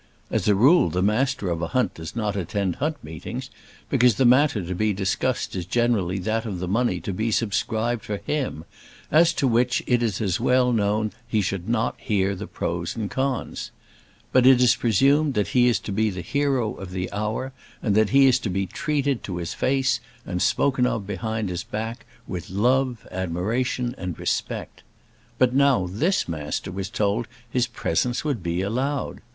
As a rule the Master of a hunt does not attend hunt meetings, because the matter to be discussed is generally that of the money to be subscribed for him, as to which it is as well he should not hear the pros and cons. But it is presumed that he is to be the hero of the hour, and that he is to be treated to his face, and spoken of behind his back, with love, admiration, and respect. But now this Master was told his presence would be allowed!